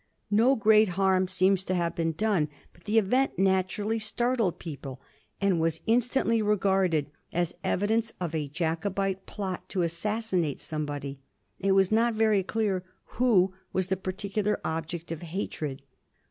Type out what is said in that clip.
No great harm seems to have been done, but the event naturally startled people, and was instantly regarded as evidence of a Jacobite plot to assassinate somebody; it was not very clear who was the particular object of hatred.